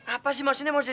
apa sih maksudnya